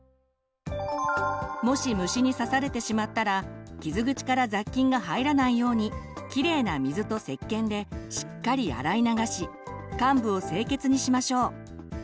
もし虫に刺されてしまったら傷口から雑菌が入らないようにきれいな水とせっけんでしっかり洗い流し患部を清潔にしましょう。